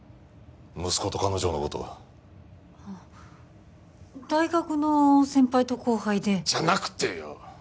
息子と彼女のこと大学の先輩と後輩でじゃなくてよ！